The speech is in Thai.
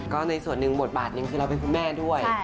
ก็ในส่วนหนึ่งบทบาทหนึ่งคือเราเป็นคุณแม่ด้วย